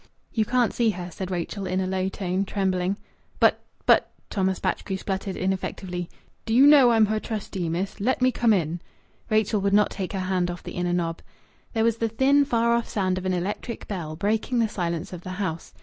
"You can't see her," said Rachel in a low tone, trembling. "But but " Thomas Batchgrew spluttered, ineffectively. "D'you know I'm her trustee, miss? Let me come in." Rachel would not take her hand off the inner knob. There was the thin, far off sound of an electric bell, breaking the silence of the house.